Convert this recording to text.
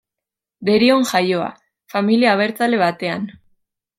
Derion jaioa, familia abertzale batean.